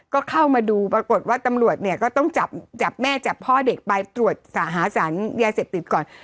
ก็เข้ามาดูปรากฏว่าตำรวจเนี่ยก็ต้องจับแม่จับพ่อเด็กไปตรวจหาสารยาเสพติดก่อน